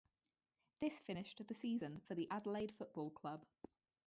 This finished the season for the Adelaide Football Club.